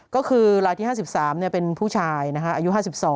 ก็คือลายที่๕๓เป็นผู้ชายอายุ๕๒